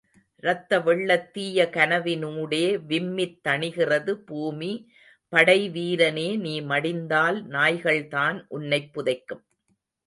ரத்த வெள்ளத் தீய கனவினூடே விம்மித் தணிகிறது பூமி படை வீரனே நீ மடிந்தால் நாய்கள்தான் உன்னைப் புதைக்கும்.